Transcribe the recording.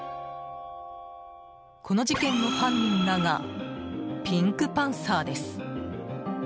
この事件の犯人らがピンクパンサーです。